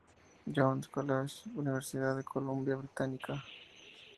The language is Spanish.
John's College, Universidad de Columbia Británica.